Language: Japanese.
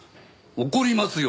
怒りますよ！